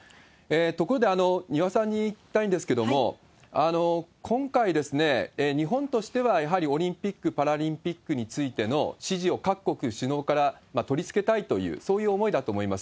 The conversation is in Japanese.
ところで、三輪さんに聞きたいんですけれども、今回、日本としてはやはりオリンピック・パラリンピックについての支持を各国首脳から取り付けたいという、そういう思いだと思います。